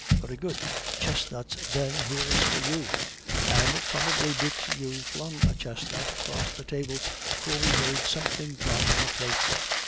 Very good, chestnuts then, here's for you." (And probably Bixiou flung a chestnut across the table, for we heard something drop on a plate.)